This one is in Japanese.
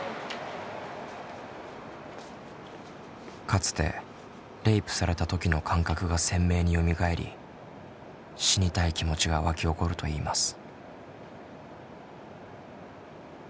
かつてレイプされた時の感覚が鮮明によみがえり死にたい気持ちが湧き起こるといいます。